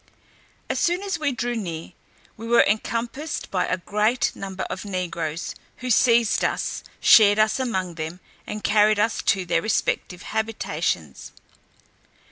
As soon as we drew near, we were encompassed by a great number of negroes, who seized us, shared us among them, and carried us to their respective habitations.